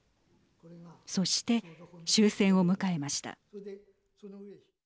そして、終戦を迎えました。